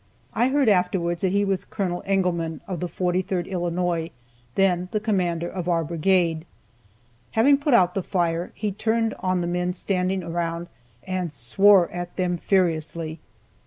I heard afterwards that he was Col. Engelmann, of the 43rd Illinois, then the commander of our brigade. Having put out the fire, he turned on the men standing around, and swore at them furiously.